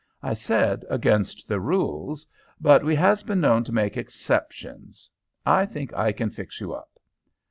"I said against the rules, but we has been known to make exceptions. I think I can fix you up."